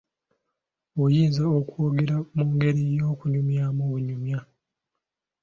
Oyinza okwogera mu ngeri y'okunyumya obunyumya.